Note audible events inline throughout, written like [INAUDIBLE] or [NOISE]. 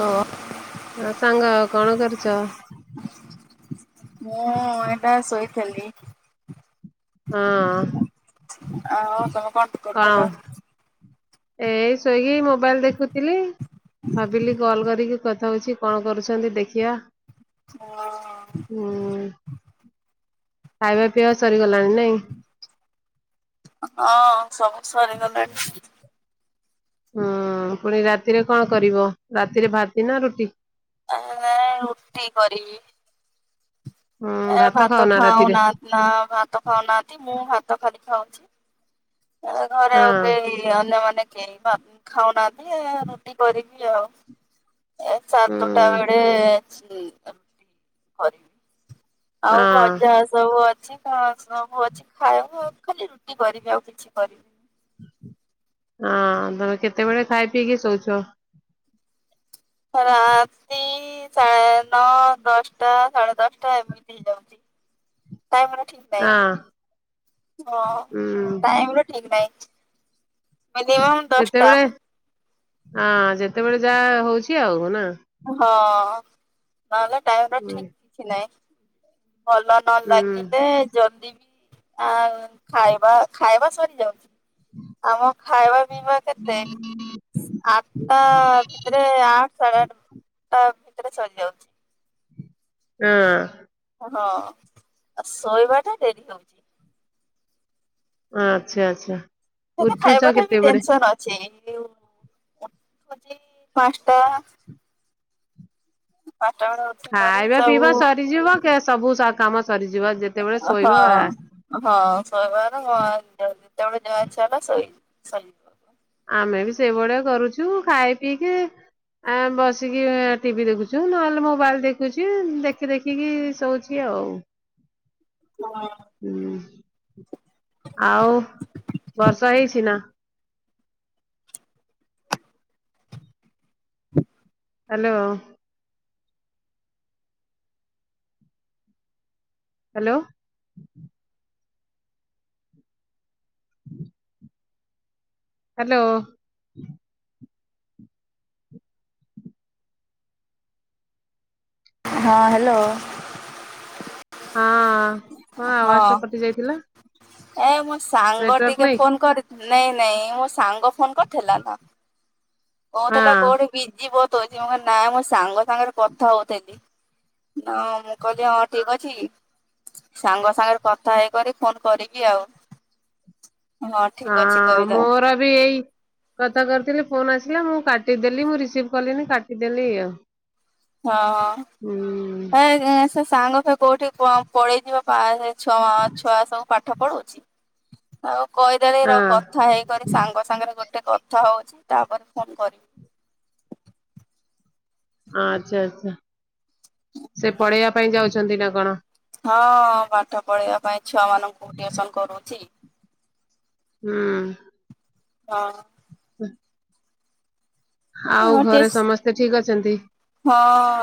ହଁ। ହଁ ସାଙ୍ଗ କଣ କରୁଛ? ମୁଁ ଏଇନା ଶୋଇଥିଲି। ହଁ। ଆଉ ତମେ କଣ? କଣ କରୁଥିଲ? ଏଇ ଶୋଇକି ମୋବାଇଲ ଦେଖୁଥିଲି? ଭାବିଲି କଲ୍ କରିକି କଥା ହଉଛି କଣ କରୁଛନ୍ତି ଦେଖିବା। ହଁ। ହୁଁ ଖାଇବା ପିଇବା ସରିଗଲାଣି ନାଇଁ। ହଁ ସବୁ ସରିଗଲାଣି। ହୁଁ ପୁଣି ରାତିରେ କଣ କରିବ ରାତିରେ ଭାତି ନା ରୁଟି? ଆଁ ନାଇ ରୁଟି କରିବି। ଏ ଭାତ ଖାଉନା ନା ଭାତ ଖାଉନାହାନ୍ତି। ମୁଁ ଭାତ ଖାଲି ଖାଉଛି ଘରେ ହଁ ଆଉ କେହି ଅନ୍ୟମାନେ କେହି ଖାଉନାହାନ୍ତି ରୁଟି କରିବି ଆଉ ଏ ସାତଟା ହୁଁ। ବେଳେ। [UNINTELLIGIBLE] ଆଉ ହଁ ଭଜା ସବୁ ଅଛି। ହଁ ସବୁ ଅଛି ଖାଇବା ଆଉ ଖାଲି ରୁଟି କରିବି ଆଉ କିଛି କରିବି। ହଁ ତମେ କେତେବେଳେ ଖାଇ ପିଇକି ଶୋଉଚ? ରାତି ସା ନଅ ଦଶଟା ସାଢ଼େ ଦଶଟା ଏମିତି। ଟାଇମ ର ଠିକ ହଁ ନାଇଁ ହଁ ହୁଁ ଟାଇମ ର ଠିକ ନାହିଁ। ମିନିମମ୍ ଦଶଟା ଯେତେବେଳେ ଆଁ ଯେତେବେଳେ ଯାହା ହଉଛି ଆଉ ନା? ହଁ ନହେଲେ ଟାଇମ ହୁଁ ଠିକ କିଛି ନାହିଁ ଭଲ। ନ ହୁଁ ଲାଗିଲେ ଜଲଦି ବି ଆଁ ଖାଇବା ଖାଇବା ସରିଯାଉଛି। ଆମ ଖାଇବା ପିଇବା କେତେ ଆଠଟା ଭିତରେ ଏ ଆଠେ ସାଢ଼େ ଆଠ। ତା ଭିତରେ ସରି ଯାଉଛି। ଉଁ। ହଁ ଆଉ ଶୋଇବାଟା ଡେରି ହଉଛି। ଆଚ୍ଛା ଆଛା। ସେତ ଖାଇବାଟା ବି ଟେନସନ ଅଛି [UNINTELLIGIBLE] ପାଞ୍ଚଟା। ପାଟଗଡ଼। ଖାଇବା ପିଇବା ସରିଯିବ କେ ସବୁ କାମ ସରିଯିବ ଯେତେ ଅହଁ ଅହଁ ଶହେବାର ଯେତେବେଳେ ଯାହା ଇଛା ହେଲା ସେଇ। ସମ୍। ଆମେବି ସେଇଭଳିଆ କରୁଚୁ ଖାଇ ପିଇକି ଆମେ ବସିକି ଟିଭି ଦେଖୁଚୁ ନହେଲେ ମୋବାଇଲ୍ ଦେଖୁଚି ଦେଖି ଦେଖିକି ଶୋଉଚି କି ଆଉ। ୍ [UNINTELLIGIBLE] ହୁଁ ଆଉ ବର୍ଷା ହେଇଚିନା? [INAUDIBLE] ହାଲୋ। ହାଲୋ। ହାଲୋ। ହଁ ହାଲୋ। ହଁ କଁ ହଁ ଆବାସଟା କଟି ଯାଇଥିଲା। ଏ ମୋ ସାଙ୍ଗ ନେଟୱାର୍କ ଟିକେ ନାଇଁ ଫୋନ୍ କରି ନାଇଁ ନାଇଁ ମୋ ସାଙ୍ଗ ଫୋନ୍ କରିଥିଲାତ ହଁ କୋଉଥିଲା କୋଉଠି ବିଜି ବହୁତ୍ ହଉଚି ମୁ କହିଲି ନାଁ ମୋସାଙ୍ଗ ସାଙ୍ଗରେ କଥା ହଉଥିଲି। ହଁ ମୁଁ କହିଲି ହଁ ଠିକ୍ ଅଛି ସାଙ୍ଗ ସାଙ୍ଗରେ କଥା ହେଇକରି ଫୋନ୍ କରିବି ଆଉ। ହଁ ଠିକ ଅଛି ହଁ କହିଲା ମୋରବି ଏଇ କଥା କରିଥିଲି ଫୋନ୍ ଆସିଲା ମୁଁ କାଟିଦେଲି ମୁଁ ରିସିଭ କଲିନି କାଟିଦେଲି ଆଉ। ହଁ ହୁଁ ହଁ ଏ ଏ ସେ ସାଙ୍ଗ ସେକୋଉଠି ପ ପଳେଇଥିବ ପା ଛ ଛୁଆ ସବୁ ପାଠ ପଢଉଛି। ଆଉ କହିଦେଲେ ର ହଁ କଥା ହେଇକରି ସାଙ୍ଗ ସାଙ୍ଗରେ ଗୋଟେ କଥା ହଉଚି ତାପରେ ଫୋନ୍ କରିବି। ଆଚ୍ଛା ଆଚ୍ଛା ସେ ପଢ଼େଇବା ପାଇଁ ଯାଉଚନ୍ତିନା କଣ? ହଁ ପାଠ ପଢେଇବା ପାଇଁ ଛୁଆ ମାନଙ୍କୁ ଟିଉସନ୍ କରୁଛି ହୁଁ। ହଁ। [INAUDIBLE] ଆଉ ଘରେ ଟିସ୍ ସମସ୍ତେ ଠିକ୍ ଅଛନ୍ତି। ହଁ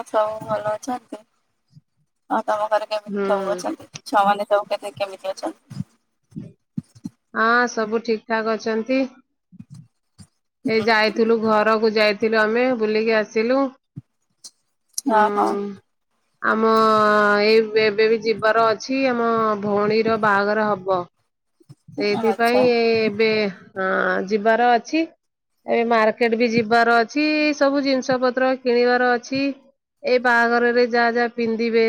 ସବୁ ଭଲ ଅଛନ୍ତି ଆଉ ତମ ଘରେ କେମିତି ହୁଁ ସବୁ ଅଛନ୍ତି? ଛୁଆମାନେ ସବୁ କେଥେ କେମିତି ଅଛନ୍ତି? ହଁ ସବୁ ଠିକ୍ ଠାକ୍ ଅଛନ୍ତି। ଏଇ ହୁଁ ଯାଇଥିଲୁ ଘରକୁ ଯାଇଥିଲୁ ଆମେ ବୁଲିକି ଆସିଲୁ। ହଁ। ହଁ ହଁ ଆମ ଏଇ ଏବେବି ଯିବାର ଅଛି ଆମ ଭଉଣୀର ବାହାଘର ହବ। ଆଚ୍ଛା ସେଇଥିପାଇଁ ଏ ଏବେ ହଁ ଯିବାର ଅଛି। ଏବେ ମାର୍କେଟବି ଯିବାର ଅଛି ସବୁ ଜିନିଷ ପତ୍ର କିଣିବାର ଅଛି। ଏଇ ବାହାଘରରେ ଯାହା ଯାହା ପିନ୍ଧିବେ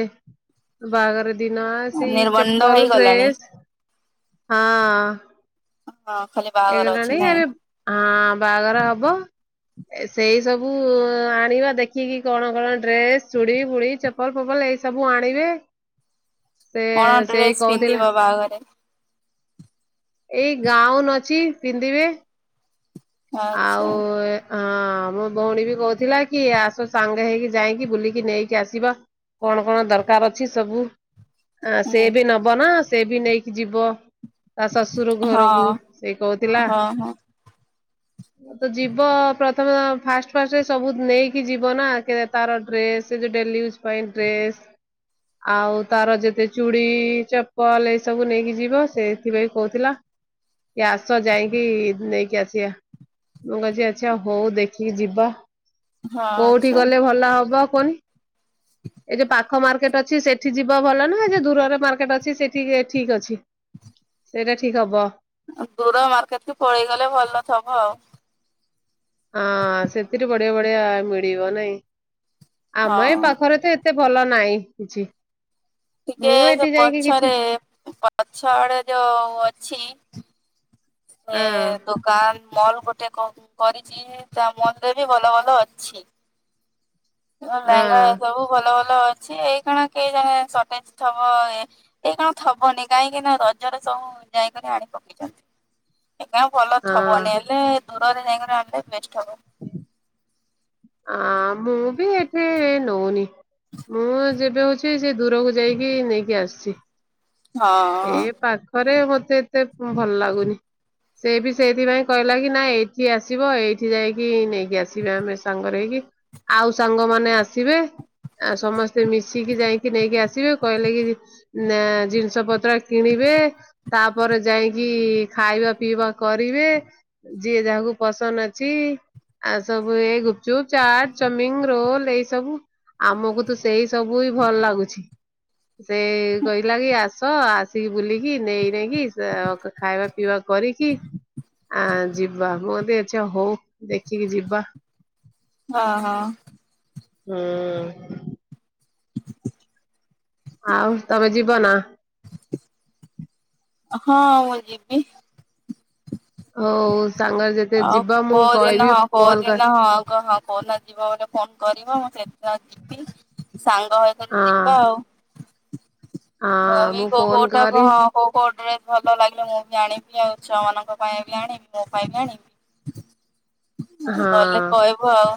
ବାହାଘର ଦିନ ସେଇ ନିର୍ବନ୍ଧ ଚପଲ୍ ହେଇଗଲାଣି। ଡ୍ରେସ୍ ହଁ। ହଁ ଖାଲି ବାହାଘର ଅଛି ହେଇଗଲାଣି ନାଇଁ ହାରି ହଁ ବାହାଘର ହବ। ଏ ସେଇ ସବୁ ଆଣିବା ଦେଖିକି କଣ କଣ ଡ୍ରେସ୍ ଚୁଡ଼ି ଫୁଡ଼ି ପପଲ୍ ଫପଲ୍ ଏଇ ସବୁ ଆଣିବେ ସେ କଣ ଡ୍ରେସ ସେଇ କହୁଥିଲା ପିନ୍ଧିବ ବାହାଘରେ? ଏଇ ଗାଉନ୍ ଅଛି ପିନ୍ଧିବେ। ଆଚ୍ଛା ଆଉ ଏ ହଁ ମୋ ଭଉଣୀବି କହୁଥିଲାକି ଆସ ସାଙ୍ଗେ ହେଇକି ଯାଇକି ବୁଲିକି ନେଇକି ଆସିବା। କଣ କଣ ଦରକାର୍ ଅଛି ସବୁ ଆ ସେବି ନବନା ସେବି ନେଇକି ଯିବ। ତା ଶଶୁରୁ ଘରକୁ ସିଏ କହୁଥିଲା ଅ ହଁ। ତ ଯିବ ପ୍ରଥମେ ଫାଷ୍ଟ ଫାଷ୍ଟରେ ସବୁ ନେଇକି ଯିବ ନା କେ ତାର ଡ୍ରେସ୍ ସେ ଯଉ ଡେଲି ୟୁଜ୍ ପାଇଁ ଡ୍ରେସ୍ ଆଉ ତାର ଯେତେ ଚୁଡ଼ି ଚପଲ ଏଇ ସବୁ ନେଇକି ଯିବ ସେ ଏଥିପାଇଁ କହୁଥିଲା କି ଆସ ଯାଇକି ନେଇକି ଆସିବା। ମୁଁ କଛି ଆ୍ଛା ହଉ ଦେଖିକି ଯିବା। ହଁ କୋଉଠି ଆଚ୍ଛା ଗଲେ ଭଲ ହବ କୁହନି ଏ ଯୋଉ ପା ଖ ମାର୍କେଟ୍ ଅଛି ସେଠି ଯିବ ଭଲ ନାଁ ଜଉ ଦୂରରେ ମାର୍କେଟ୍ ଅଛି ସେଠି ଠିକ୍ ଅଛି? ସେଇଟା ଠିକ୍ ହବ। ଦୂର ମାର୍କେଟ୍ କୁ ପଳେଇ ଗଲେ ଭଲ ଥବ ଆଉ। ହଁ ସେଥିରୁ ବଢ଼ିଆ ବଢ଼ିଆ ମିଳିବ ନାଇଁ ଆମ ଏ ହଁ ପାଖରେ ତ ଏ ଏତେ ଭଲ ନାଇ କିଛି। ଟିକେ ମୁଁ ସେ ଏଠି ଯାଇକି କିଛି ପଛରେ ପଛଆଡ଼େ ଯୋଉ ଅଛି ହଁ ଏଁ ଦୋ କାନ୍ ମଲ୍ ଗୋଟେ କ କରିଛି ତା ମଲ୍ ରେ ବି ଭଲ ଭଲ ଅଛି। ହଁ ଲେହଙ୍ଗା ଏ ସବୁ ଭଲ ଭଲ ଅଛି ଏଇ କାଣା କେ ଜାଗା ସଟେଜ୍ ଥବ ଏ ଏଇ କଣ ଥବନି କାହିଁକି ନା ରଜରେ ସବୁ ଯାଇକରି ଆଣି ପକେଇଛନ୍ତି। ଏ କା ଭଲ ହଁ ଥବନି ହେଲେ ଦୂରରେ ଯାଇକିଣା ଆଣିଲେ ବେଷ୍ଟ ହବ। [INAUDIBLE] ଆ ମୁଁ ବି ଏଠେ ନଉନି ମୁଁ ଯେବେ ହଉଛି ସେ ଦୂରକୁ ଯାଇକି ନେଇକି ଆସିଛି ହଁ ଏ ପା ଖରେ ମତେ ଏତେ ଭଲ ଲାଗୁନି। ସେ ବି ସେଇଥିପାଇଁ କହିଲା କି ନା ଏଇଠି ଆସିବ ଏଇଠି ଯାଇକି ନେଇକି ଆସିବେ ଆମେ। ସାଙ୍ଗରେ ହେଇକି ଆଉ ସାଙ୍ଗମାନେ ଆସିବେ। ଆ ସମସ୍ତେ ମିଶିକି ଯାଇକି ନେଇକି ଆସିବେ କହିଲେ କି ନା ଜିନିଷ ପ ତ୍ର କିଣିବେ ତାପରେ ଯାଇକି ଖାଇବା ପିଇବା କରିବେ ଯିଏ ଯାହାକୁ ପସନ୍ଦ ଅଛି ଆ ସବୁ ଏ ଗୁପ୍ ଚୁପ୍ ଚାଟ୍ ଚମିଙ୍ଗ ରୋଲ ଏଇ ସବୁ। ଆମକୁ ତ ସେଇ ସବୁ ହି ଭଲ ଲାଗୁଛି। ସେ କହିଲା କି ଆସ ଆସିକି ବୁଲିକି ନେଇ ନେଇକି ସା ଖାଇବା ପିଇବା କରିକି ଆ ଯିବା ମୁଁ କହିଦି ଆଚ୍ଛା ହଉ ଦେଖିକି ଯିବା। ହଁ ହଁ। ହୁଁ। ଆଉ ତମେ ଯିବ ନା? ହଁ ମୁଁ ଜିିବି। ହଉ ସାଙ୍ଗ ଯେ ଆଉ [UNINTELLIGIBLE] ଯିବ ଗୋଟେ ଫୋନ୍ କରିବ ମୁଁ ସେଦିନ ଯିବି ସାଙ୍ଗ ହଇକରି ଯିବା ହଁ ଆଉ। ମୁଁ ହଁ ବି କୋ ଫୋନ କୋଉଟାକୁ କରି ହଁ। କୋଉ କୋଉ ଡ୍ରେସ୍ ଭଲ ଲାଗିଲେ ମୁଁ ବି ଆଣିବି ଆଉ ଛୁଆ ମାନଙ୍କ ପାଇଁ ବି ଆଣିବି ମୋ ପାଇଁ ବି ଆଣିବି। ହଁ ଗଲେ କହିବୁ ଆଉ।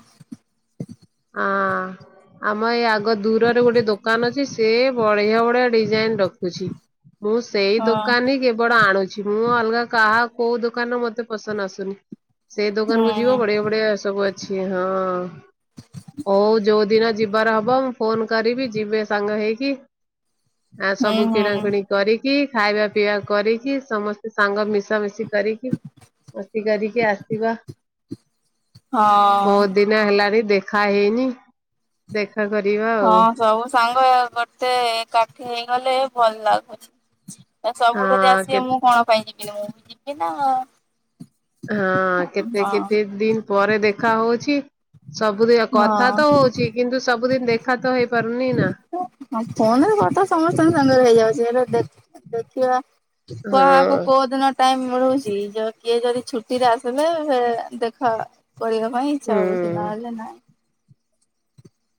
ହଁ। ଆମ ଏଇ ଆଗ ଦୂରରେ ଗୋଟେ ଦୋକାନ ଅଛି ସେ ବଢିଆ ବଢିଆ ଡିଜାଇନ ରଖୁଛି। ବୁଶ୍ ସେଇ ହଁ ଦୋକାନ ହି କେବଳ ଆଣୁଛି ମୁଁ ଅଲଗା କାହା କୋଉ ଦୋକାନ ମତେ ପସନ୍ଦ ଆସୁନି। ସେଇ ଦୋକା କୁ ଯିବ ହୁଁ ବଢିଆ ବଢିଆ ସବୁ ଅଛି, ହଁ ହଉ ଯୋଉଦିନ ଯିବାର ହବ ମୁଁ ଫୋନ କରିବି ଯିବେ ସାଙ୍ଗ ହେଇକି। ଆଁ ହୁଁ ସବୁ ହୁଁ ହୁଁ କିଣାକିଣି କରିକି ଖାଇବା ପିଇବା କରିକି ସମସ୍ତେ ସାଙ୍ଗ ମିଶାମିଶି କରି କି ମସ୍ତି କରିକି ଆସିବା, ହଁ ବହୁତ୍ ଦିନ୍ ନ ହେଲାଣି ଦେଖା ହେଇନି। ଦେଖା କରିବା। ହଁ ଆଉ। ସବୁ ସାଙ୍ଗ ଗୋଟେ ଏକାଠି ହେଇଗଲେ ଭଲ ଲାଗୁଛି। ତ ସବୁ ଯଦି ହଁ କେ ଆସିବେ ମୁଁ କଣ ପାଇଁ ଯିବିନି ମୁଁ ବି ଯିବି ନା। ହଁଅ-ଅ କେତେ ହଁ। କେତେ ଦିନ ପରେ ଦେଖା ହଉଛି। ସବୁଦିନ କଥା ତ ହଁ ହଉଛି କିନ୍ତୁ ସବୁଦିନ ଦେଖା ତ ହେଇପାରୁନି ନା। [INAUDIBLE] ଫୋନରେ କଥା ସମସ୍ତଙ୍କ ସାଙ୍ଗରେ ହେଇଯାଉଛି ହେଲେ ଦେଖ୍ ଦେଖିବା କାହାକୁ ହଁ କୋଉ ଦିନ ଟାଇମ୍ ମିଳୁଛି ଯ କିଏ ଯଦି ଛୁଟିରେ ଆସିଲେ ଫେର୍ ଦେଖା ହେବା। କରିବା ପାଇଁ ଇଚ୍ଛା ହଉଛି ହୁଁ। ନହେଲେ ନାଇଁ।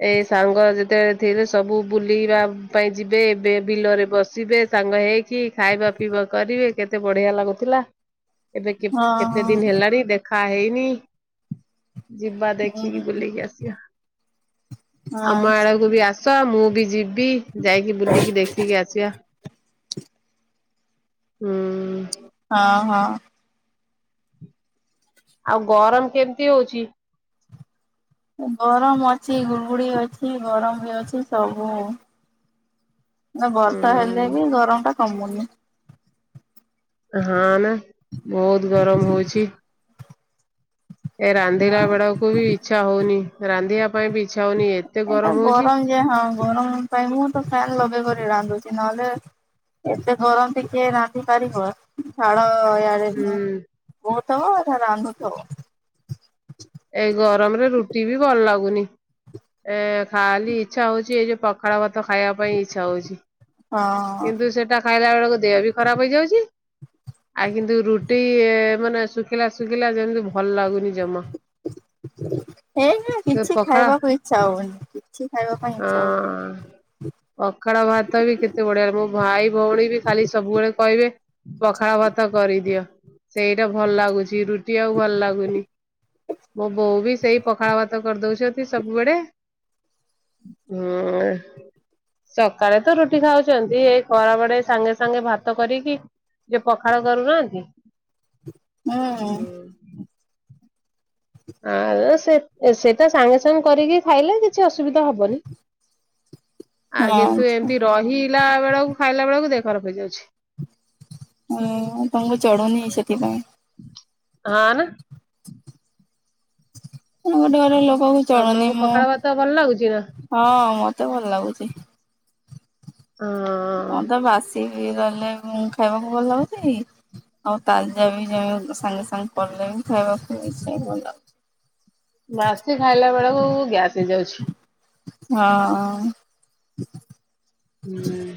ଏ ସାଙ୍ଗ ଯେତେବେଳେ ଥିଲେ ସବୁ ବୁଲିବା ପାଇଁ ଯିବେ ଏବେ ବିଲରେ ବସିବେ ସାଙ୍ଗ ହେଇ। କି, ଖାଇବା ପିଇବା କରିବେ କେତେ ବଢିଆ ଲାଗୁଥିଲା। ଏବେ କେ ହଁ କେତେ ଦିନ ହେଲାଣି ଦେଖା ହେଇନି। ଯିବା ଦେଖିକି ହଁ ବୁଲିକି ଆସିବା। ଆମ ଆଚ୍ଛା ଆଡକୁ ବି ଆସ ମୁଁ ବି ଯିବି ଯାଇକି ବୁଲିକି ଦେଖିକି ଆସିବା। ହୁଁ। ହଁ ହଁ। ଆଉ ଗରମ କେମିତି ହଉଛି? ଗରମ ଅଛି ଗୁଡ଼ଗୁଡି ଅଛି ଗରମ ବି ଅଛି ସବୁ ନା ବର୍ଷା ହେଲେ ବି ଉଁ ଗରମଟା କମୁନି। ହଁ ନା, ବହୁତ ଗରମ ହଉଛି। ଏ ରାନ୍ଧିଲା ହଁ ବେଳକୁ ବି ଇଚ୍ଛା ହଉନି ରାନ୍ଧିବା ପାଇଁ ବି ଇଚ୍ଛା ହଉନି ଏତେ ଗରମ ହଉଛି। ଯେ ହଁ ଗରମ ପାଇଁ ମୁଁ ତ ଫ୍ୟାନ୍ ଲଗେଇକି କରି ରାନ୍ଧୁଛି ନହେଲେ ଏତେ ଗରମ ଯେ କିଏ ରାନ୍ଧି ପାରିବ? ଝାଳ ୟାଡେ ହୁଁ। ବୋହୁଥବ ସେଆଡେ ରାନ୍ଧୁଥିବ। ଏଇ ଗରମରେ ରୁଟି ବି ଭଲ ଲାଗୁନି। ଏ ଖାଲି ଇଚ୍ଛା ହଉଛି ଏଇ ଯୋଉ ପଖାଳ ଭାତ ଖାଇବା ପାଇଁ ଇଚ୍ଛା ହଉଛି। ହଁ କିନ୍ତୁ ସେଟା ଖାଇଲା ବେଳକୁ ଦେହ ବି ଖରାପ ହେଇଯାଉଛି। ଆଉ କିନ୍ତୁ ରୁଟି-ଇ-ଇ-ଇ ମାନେ ଶୁଖିଲା ଶୁଖିଲା ଯେମିତି ଭଲ ଲାଗୁନି ଜମା। ହେଇ କିଛି ପଖାଳ ଖାଇବାକୁ ଇଚ୍ଛା ହଉନି କିଛି ଖାଇବା ପାଇଁ ଇଚ୍ଛା ହଉନି ହଁ। ପଖାଳ ଭାତ ବି କେତ୍ କେତେ ବଢିଆ, ମୋ ଭାଇ ଭଉଣୀ ବି ଖାଲି ସବୁବେଳେ କହିବେ ପଖାଳ ଭାତ କରିଦିଅ। ସେଇଟା ଭଲ ଲାଗୁଛି, ରୁଟି ଆଉ ଭଲ ଲାଗୁନି ମୋ ବୋଉ ବି ସେଇ ପଖାଳ ଭାତ କରି ଦଉଛନ୍ତି ସବୁବେଳେ ହୁଁ-ଉଁ-ଉଁ, ସକାଳେ ତ ରୁଟି ଖାଉ ଛନ୍ତି, ଏଇ ଖରାବେଳେ ସାଙ୍ଗେସାଙ୍ଗେ ଭାତ କରିକି ଯିଏ ପଖାଳ କରୁନାହାନ୍ତି ହୁଁ ଆଉ ସେ ସେଟା ସାଙ୍ଗେ ସାଙ୍ଗେ କରିକି ଖାଇଲେ କିଛି ଅସୁବିଧା ହବନି ହଁ ଆଉ କିନ୍ତୁ ଆଚ୍ଛା ଏମିତି ରହିଲା ବେଳକୁ ଖାଇଲା ବେଳକୁ ଦେହ ଖରା ପ ହେଇଯାଉଛି। ହୁଁ ତମଙ୍କୁ ଚଢୁନି ସେଥିପାଇଁ। ଆ ନା ମୁ ଗୋଟେ ଘର ଲୋକ କ ଚଳୁନି ତମକୁ ମୁଁ ପଖାଳ ଭାତ ଭଲ ଲାଗୁଛି ନା ହଁ ମତେ ଭଲ ଲାଗୁଛି। ହଁ। ହଁ ତ ବାସି ରହିଗଲେ ଖାଇବାକୁ ଭଲ ଲାଗୁଛି ଆଉ ତାଜା ବି ସାଙ୍ଗେ ସାଙ୍ଗେ ପଡିଲେ ବି ଖାଇବାକୁ ମି ଭଲ ବାସି ଖାଇଲା ବେଳକୁ ଗ୍ୟାସ ହେଇ ଯାଉଛି। ହଁ। ହୁଁ।